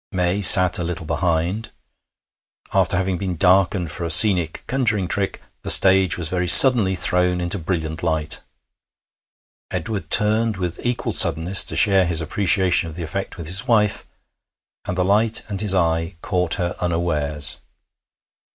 May sat a little behind. After having been darkened for a scenic conjuring trick, the stage was very suddenly thrown into brilliant light. Edward turned with equal suddenness to share his appreciation of the effect with his wife, and the light and his eye caught her unawares.